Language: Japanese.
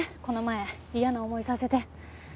この前嫌な思いさせて。